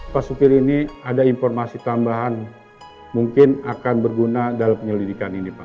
pak supir ini ada informasi tambahan mungkin akan berguna dalam penyelidikan ini pak